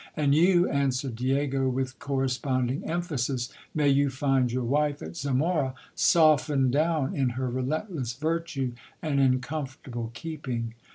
And you, answered Diego with corresponding emphasis, may you find your wife at Zamora, softened down in her relentless virtue, and in comfortable keeping.